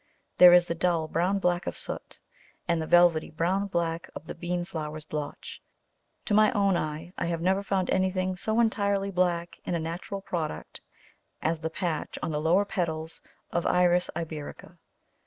There is the dull brown black of soot, and the velvety brown black of the bean flower's blotch; to my own eye, I have never found anything so entirely black in a natural product as the patch on the lower petals of Iris iberica.